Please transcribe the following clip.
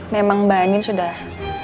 memang mbak anin sudah